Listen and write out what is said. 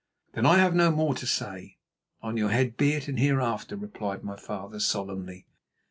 "Then I have no more to say. On your head be it here and hereafter," replied my father solemnly.